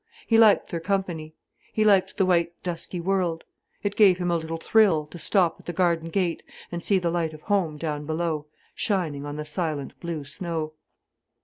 He liked their company, he liked the white dusky world. It gave him a little thrill to stop at the garden gate and see the light of home down below, shining on the silent blue snow.